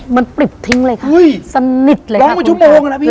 มันปริบทิ้งเลยค่ะสนิทเลยค่ะคุณผู้ชาย